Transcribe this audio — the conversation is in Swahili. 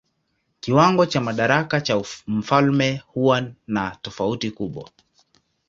Kiwango cha madaraka cha mfalme huwa na tofauti kubwa.